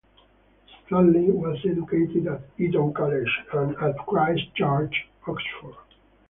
Stanley was educated at Eton College and at Christ Church, Oxford.